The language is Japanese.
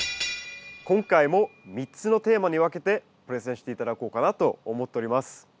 今回も３つのテーマに分けてプレゼンして頂こうかなと思っております。